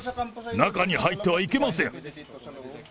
中に入ってはいけません。